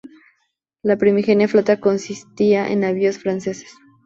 La primigenia flota consistía en navíos franceses.